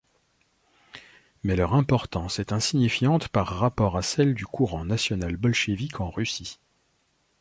Mais leur importance est insignifiante par rapport à celle du courant national-bolchévique en Russie.